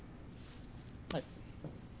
はい。